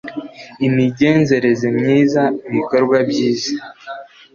Imigenzereze myiza ibikorwa byiza